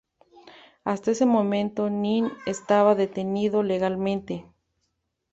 Hasta ese momento, Nin estaba detenido legalmente.